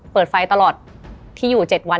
เปิดไฟตลอดที่อยู่๗วัน